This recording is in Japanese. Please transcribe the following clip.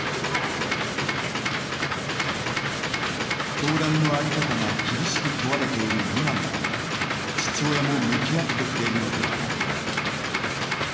教団のあり方が厳しく問われている今なら父親も向き合ってくれるのではないか。